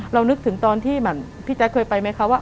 นึกถึงตอนที่เหมือนพี่แจ๊คเคยไปไหมคะว่า